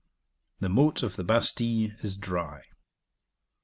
The moat of the Bastile is dry.